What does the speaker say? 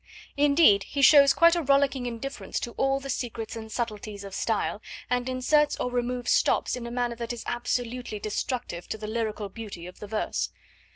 Indeed, he shows quite a rollicking indifference to all the secrets and subtleties of style, and inserts or removes stops in a manner that is absolutely destructive to the lyrical beauty of the verse.